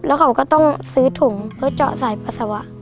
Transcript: แล้วเขาก็ต้องซื้อถุงเพื่อเจาะสายปัสสาวะ